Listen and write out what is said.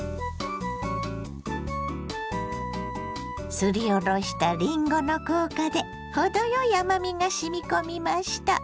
すりおろしたりんごの効果で程よい甘みがしみ込みました。